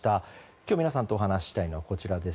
今日、皆さんとお話ししたいのはこちらです。